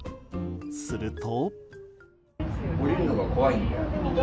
すると。